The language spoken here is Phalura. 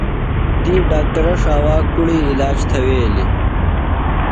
تی ڈاکٹرہ ݜاوا کُڑی علاج تھویلیۡ۔